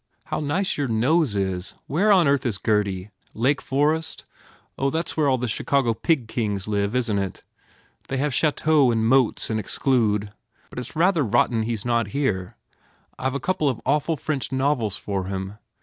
How nice your nose is! Where on earth s Gurdy? Lake Forest? Oh, that s where all the Chicago pig kings live, isn t it? They have cha teaux and moats and exclude But it s rather rot ten he isn t here. I ve a couple of awful French novels for him.